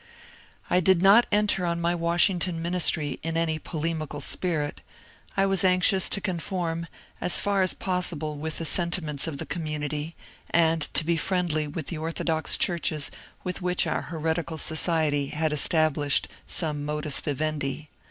I did not enter on my Washington ministry in any polemi cal spirit ; I was anxious to conform as far as possible with the sentiments of the community, and to be friendly with the orthodox churches with which our heretical society had estab lished some modtLS vivendi.